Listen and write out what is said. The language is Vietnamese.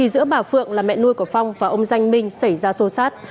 giữa bà phượng là mẹ nuôi của phong và ông danh minh xảy ra xô xát